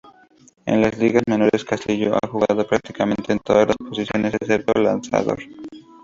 En las ligas menores, Castillo ha jugado prácticamente en todas las posiciones excepto lanzador.